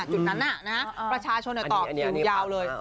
จุดนั้นน่ะนะประชาชนต่อคิวยาวเลย